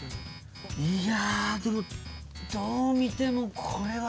いやでもどう見てもこれは。